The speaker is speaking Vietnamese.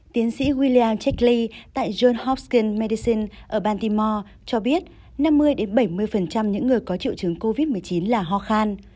tiến sĩ william checkley tại john hopkins medicine ở baltimore cho biết năm mươi bảy mươi những người có triệu chứng covid một mươi chín là ho khan